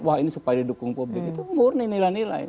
wah ini supaya didukung publik itu murni nilai nilai